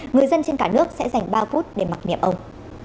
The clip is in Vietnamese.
người dân trên cả nước sẽ dành ba phút để mặc niệm ông